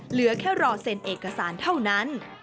เหลือแค่รอเซ็นเอกสารเท่านั้น